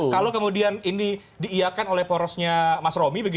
kalau kemudian ini diiakan oleh porosnya mas romi